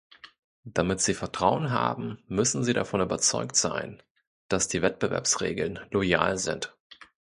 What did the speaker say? Damit sie Vertrauen haben, müssen sie davon überzeugt sein, dass die Wettbewerbsregeln loyal sind.